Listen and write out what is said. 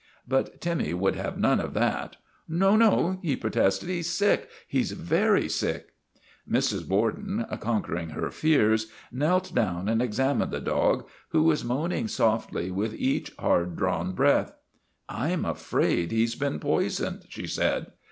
But Timmy would have none of that. " No, no," he protested. " He 's sick; he's very sick." Mrs. Borden, conquering her fears, knelt down and examined the dog, who was moaning softly with each hard drawn breath. ' I 'm afraid he 's been poisoned," she said.